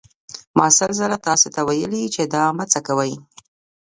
ما سل ځله تاسې ته ویلي چې دا مه څکوئ.